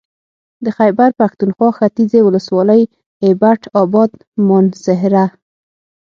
د خېبر پښتونخوا ختيځې ولسوالۍ اېبټ اباد مانسهره